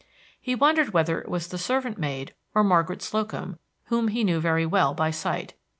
He wondered whether it was the servant maid or Margaret Slocum, whom he knew very well by sight.